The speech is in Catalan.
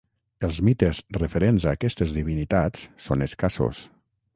Els mites referents a aquestes divinitats són escassos.